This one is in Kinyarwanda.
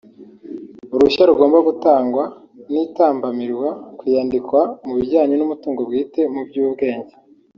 uruhushya rugomba gutangwa n’itambamirwa ku iyandikwa mu bijyanye n’umutungo bwite mu by’ubwenge